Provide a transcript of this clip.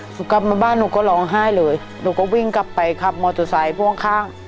กลับมาบ้านหนูก็ร้องไห้เลยหนูก็วิ่งกลับไปขับมอเตอร์ไซค์พ่วงข้าง